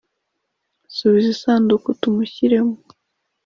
Subiza isanduku tumushyiremo.